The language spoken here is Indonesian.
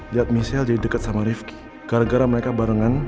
liat michelle jadi deket sama rifqi gara gara mereka barengan